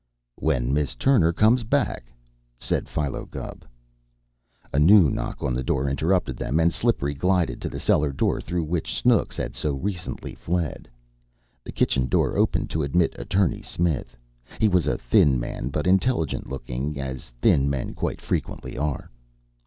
"When Miss Turner comes back!" said Philo Gubb. A new knock on the door interrupted them, and Slippery glided to the cellar door, through which Snooks had so recently fled. The kitchen door opened to admit Attorney Smith. He was a thin man, but intelligent looking, as thin men quite frequently are.